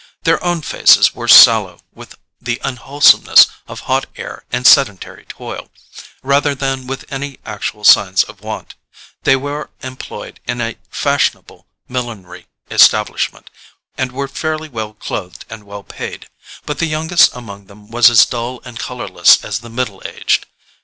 Their own faces were sallow with the unwholesomeness of hot air and sedentary toil, rather than with any actual signs of want: they were employed in a fashionable millinery establishment, and were fairly well clothed and well paid; but the youngest among them was as dull and colourless as the middle aged.